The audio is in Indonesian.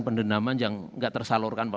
pendendaman yang enggak tersalurkan